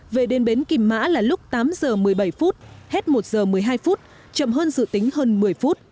về đến bến kim mã là lúc tám giờ một mươi bảy phút hết một giờ một mươi hai phút chậm hơn dự tính hơn một mươi phút